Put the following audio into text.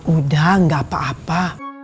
udah gak apa apa